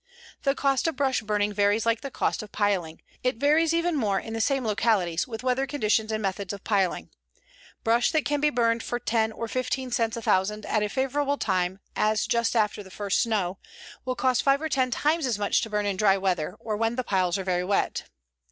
"The cost of brush burning varies like the cost of piling. It varies even more in the same localities, with weather conditions and methods of piling. Brush that can be burned for 10 or 15 cents a thousand at a favorable time, as just after the first snow, will cost five or ten times as much to burn in dry weather, or when the piles are very wet.